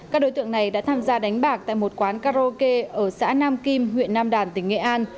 các đối tượng này đã tham gia đánh bạc tại một quán karaoke ở xã nam kim huyện nam đàn tỉnh nghệ an